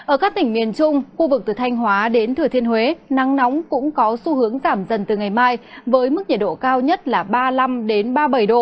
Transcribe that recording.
ở các tỉnh miền trung khu vực từ thanh hóa đến thừa thiên huế nắng nóng cũng có xu hướng giảm dần từ ngày mai với mức nhiệt độ cao nhất là ba mươi năm ba mươi bảy độ